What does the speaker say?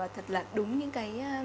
thật là đúng những cái